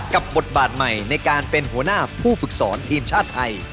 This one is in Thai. บทบาทใหม่ในการเป็นหัวหน้าผู้ฝึกสอนทีมชาติไทย